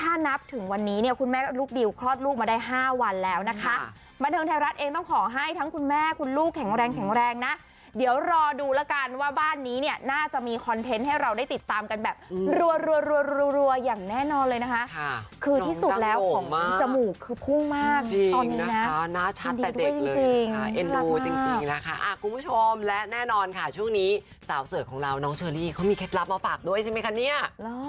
รัวอย่างแน่นอนเลยนะคะคือที่สุดแล้วของน้องจมูกคือพุ่งมากตอนนี้นะคะน่าชัดแต่เด็กเลยนะคะเอ็นดูจริงนะคะคุณผู้ชมและแน่นอนค่ะช่วงนี้สาวสวยของเราน้องเชอรี่เขามีเคล็ดลับมาฝากด้วยใช่ไหมคะเนี่ย